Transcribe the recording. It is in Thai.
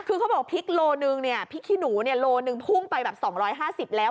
คือเขาบอกพริกโลนึงเนี้ยพริกขี้หนูเนี้ยโลนึงพุ่งไปแบบสองร้อยห้าสิบแล้ว